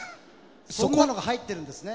そんなのが入ってるんですね。